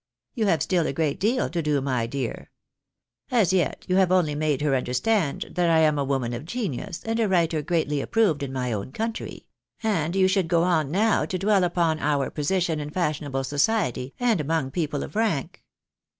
You have stiU a great deal to do, my dear. As yet you have only made her under stand that I am a woman of genius, and a writer greatly approved in my own country ; and you should go on now to dwell upon our position in fashionable society, and among people of rank."